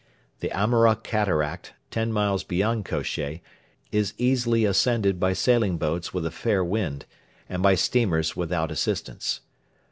The Amara Cataract, ten miles beyond Kosheh, is easily ascended by sailing boats with a fair wind, and by steamers without assistance.